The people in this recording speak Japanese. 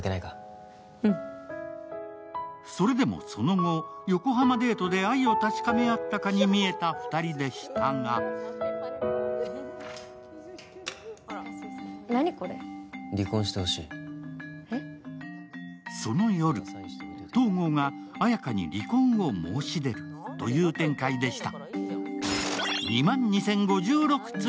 それでもその後、横浜デートで愛を確かめ合ったかに見えた２人でしたがその夜、東郷が綾華に離婚を申し出るという展開でした。